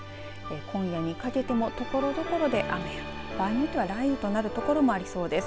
今夜にかけても、ところどころで雨や場合によっては雷雨となるところもありそうです。